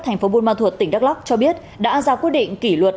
thành phố bùn ma thuột tỉnh đắk lắk cho biết đã ra quyết định kỷ luật